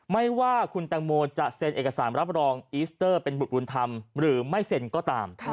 ไม่ว่าคุณแตงโมจะเซ็นเอกสารรับรองอีสเตอร์เป็นบุตรบุญธรรมหรือไม่เซ็นก็ตาม